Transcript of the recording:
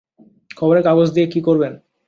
খবরের কাগজ দিয়ে কী করবেন?